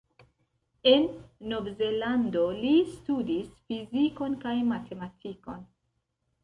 En Novzelando, li studis fizikon kaj matematikon.